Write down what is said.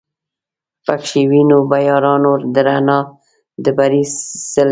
پکښی وینو به یارانو د رڼا د بري څلی